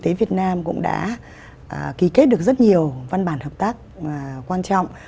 ngành y tế việt nam cũng đã ký kết được rất nhiều văn bản hợp tác quan trọng